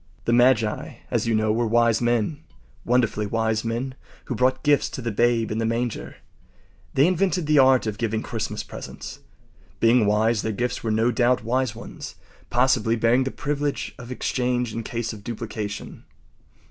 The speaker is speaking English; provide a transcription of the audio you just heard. ” The magi, as you know, were wise men—wonderfully wise men—who brought gifts to the Babe in the manger. They invented the art of giving Christmas presents. Being wise, their gifts were no doubt wise ones, possibly bearing the privilege of exchange in case of duplication.